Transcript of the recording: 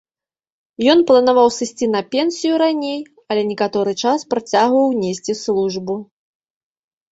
Ён планаваў сысці на пенсію раней, але некаторы час працягваў несці службу.